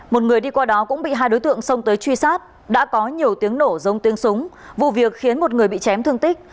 một người đi qua đó cũng bị hai đối tượng xông tới truy sát đã có nhiều tiếng nổ giống tiếng súng vụ việc khiến một người bị chém thương tích